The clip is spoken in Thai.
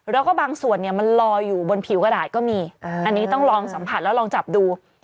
แล้วก็บางส่วนเนี่ยมันลอยอยู่บนผิวกระดาษก็มีอันนี้ต้องลองสัมผัสแล้วลองจับดู